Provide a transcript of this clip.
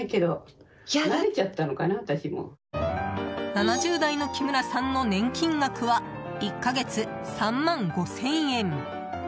７０代の木村さんの年金額は１か月、３万５０００円。